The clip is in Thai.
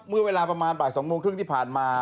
เมื่อเวลาประมาณบ่าย๒โมงครึ่งที่ผ่านมา